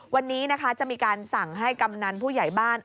วันนี้นะคะจะมีการสั่งให้กำนันผู้ใหญ่บ้าน